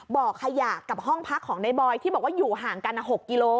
บ่อขยะกับห้องพักของในบอยที่บอกว่าอยู่ห่างกัน๖กิโล